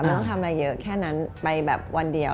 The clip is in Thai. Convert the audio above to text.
ต้องทำอะไรเยอะแค่นั้นไปแบบวันเดียว